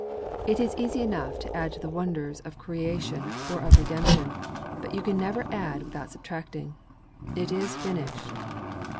It is easy enough to add to the wonders of Creation or of Redemption; but you can never add without subtracting. '_It is finished!